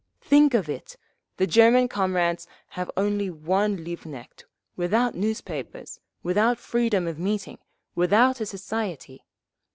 Think of it!… The German comrades have only one Liebknecht, without newspapers, without freedom of meeting, without a Soviet….